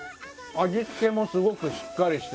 味付けもすごくしっかりしてて。